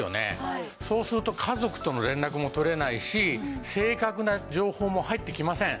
そうすると家族との連絡も取れないし正確な情報も入ってきません。